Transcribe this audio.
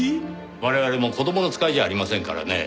我々も子供の使いじゃありませんからねぇ。